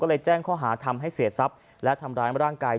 ก็เลยแจ้งข้อหาทำให้เสียทรัพย์และทำร้ายร่างกาย